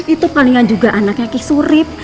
itu palingan juga anaknya ki surip